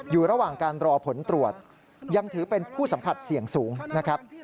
อยู่ระหว่างการรอผลตรวจยังถือเป็นผู้สัมผัสเสี่ยงสูงนะครับ